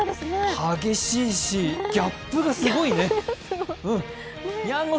激しいしギャップがすごいね。